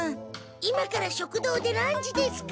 今から食堂でランチですか？